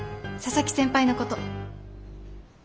佐々木先輩のこと。